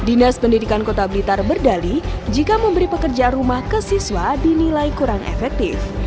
dinas pendidikan kota blitar berdali jika memberi pekerjaan rumah ke siswa dinilai kurang efektif